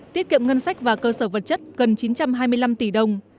tiết kiệm ngân sách và cơ sở vật chất gần chín trăm hai mươi năm tỷ đồng